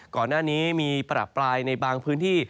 ก่อนหน้านี้มีประปรายในบางพื้นที่